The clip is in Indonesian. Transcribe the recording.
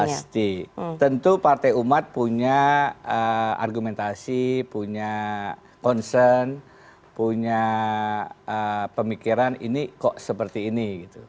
pasti tentu partai umat punya argumentasi punya concern punya pemikiran ini kok seperti ini